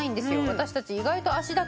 私たち。